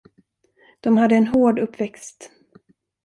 De hade en hård uppväxt.